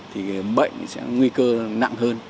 thì bệnh sẽ nguy cơ nặng hơn